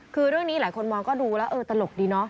คือเรื่องนี้หลายคนมองก็รู้แล้วตลกดี